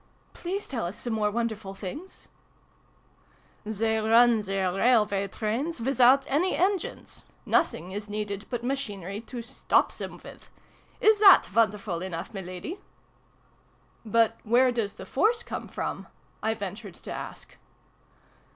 Please tell us some more wonderful things !'" They run their railway trains without any engines nothing is needed but machinery to stop them with. Is that wonderful enough, Miladi?" vn] MEIN HERR. 107 "But where does the force come from ?" I ventured to ask.